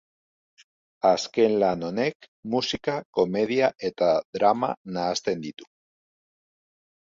Azken lan honek musika, komedia eta drama nahasten ditu.